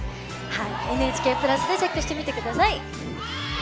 「ＮＨＫプラス」でチェックしてみてください。